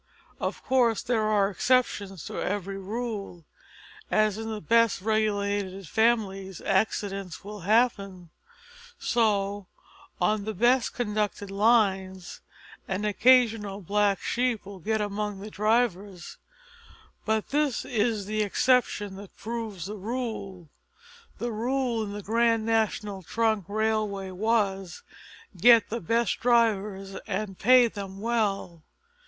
Of course there are exceptions to every rule. As in the best regulated families accidents will happen, so, on the best conducted lines, an occasional black sheep will get among the drivers, but this is the exception that proves the rule. The rule in the Grand National Trunk Railway was get the best drivers and pay them well.